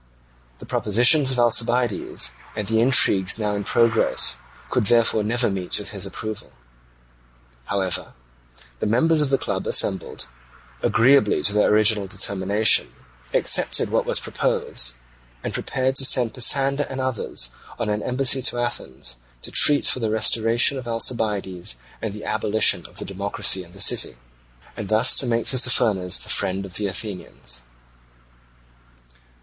The propositions of Alcibiades, and the intrigues now in progress, could therefore never meet with his approval. However, the members of the club assembled, agreeably to their original determination, accepted what was proposed, and prepared to send Pisander and others on an embassy to Athens to treat for the restoration of Alcibiades and the abolition of the democracy in the city, and thus to make Tissaphernes the friend of the Athenians.